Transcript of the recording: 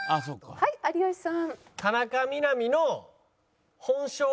はい有吉さん。